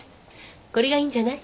これがいいんじゃない？